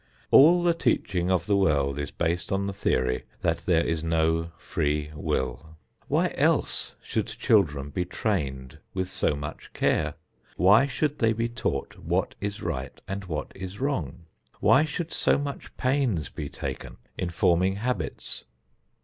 All the teaching of the world is based on the theory that there is no free will. Why else should children be trained with so much care? Why should they be taught what is right and what is wrong? Why should so much pains be taken in forming habits?